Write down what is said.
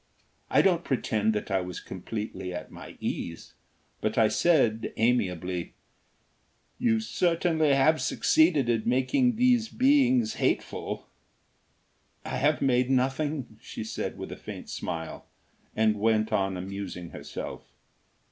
I don't pretend that I was completely at my ease, but I said, amiably: "You certainly have succeeded in making these beings hateful." "I have made nothing," she said with a faint smile, and went on amusing herself.